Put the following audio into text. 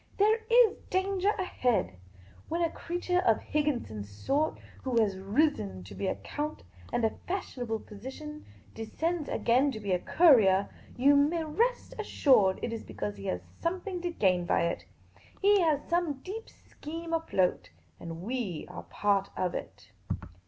There is danger ahead. When a creature of Higginson's sort, who has risen to be a count and a fashionable physician, descends again to be a courier, you may, rest assured it is because he has somethintr to gain by it. He has some deep scheme afloat. And 7f v are part of it."